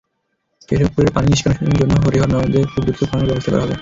কেশবপুরের পানিনিষ্কাশনের জন্য হরিহর নদে খুব দ্রুত খননের ব্যবস্থা করা হবে।